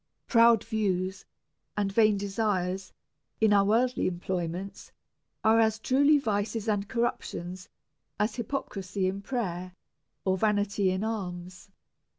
DEVOUT AND HOLY LIFE. 41 Proud views and vain desires in our worldly em ployments are as truly vices and corruptions as hy pocrisy in prayer, or vanity in alms.